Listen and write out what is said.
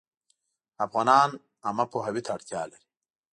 افغانان عامه پوهاوي ته اړتیا لري